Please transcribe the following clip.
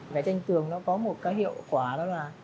vẽ tranh tường nó có một cái hiệu quả đó là